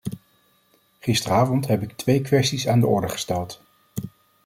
Gisteravond heb ik twee kwesties aan de orde gesteld.